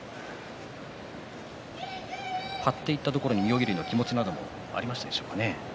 張っていったところに妙義龍の気持ちなどもありましたでしょうかね。